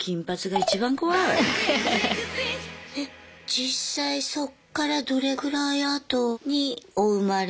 実際そっからどれぐらいあとにお生まれになったんですか？